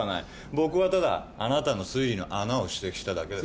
僕はただあなたの推理の穴を指摘しただけです。